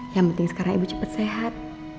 yang penting sekarang ibu cepat sehat